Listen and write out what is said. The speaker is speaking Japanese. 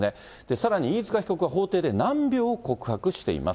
さらに飯塚被告は法廷で難病を告白しています。